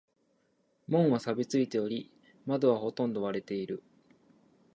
門は錆びついており、窓はほとんど割れている。